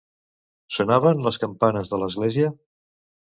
Sonaven les campanes de l'església?